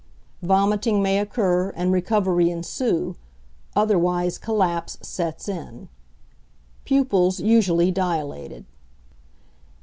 Vomiting may occur and recovery ensue, otherwise collapse sets in. Pupils usually dilated.